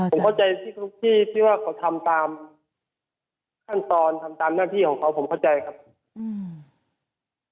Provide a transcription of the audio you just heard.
ผมเข้าใจทุกที่ที่ว่าเขาทำตามขั้นตอนทำตามหน้าที่ของเขาผมเข้าใจครับอืม